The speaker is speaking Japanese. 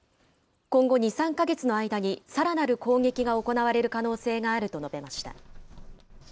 今後２、３か月の間にさらなる攻撃が行われる可能性があると述べました。